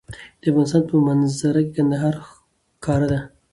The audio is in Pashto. د افغانستان په منظره کې کندهار ښکاره ده.